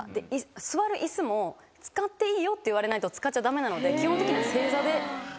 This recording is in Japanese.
座る椅子も「使っていいよ」って言われないと使っちゃ駄目なので基本的には。